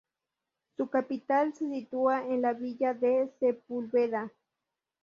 Su capital se sitúa en la villa de Sepúlveda.